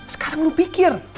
sekarang lu pikir